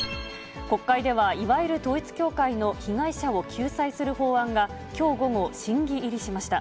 国会では、いわゆる統一教会の被害者を救済する法案が、きょう午後、審議入りしました。